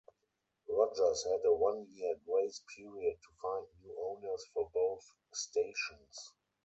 Rogers had a one-year grace period to find new owners for both stations.